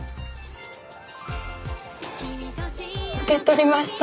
受け取りました。